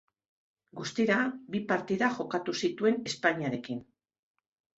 Guztira bi partida jokatu zituen Espainiarekin.